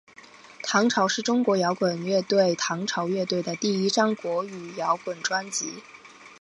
唐朝是中国摇滚乐队唐朝乐队的第一张国语摇滚专辑。